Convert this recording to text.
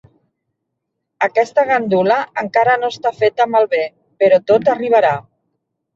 Aquesta gandula encara no està feta malbé, però tot arribarà.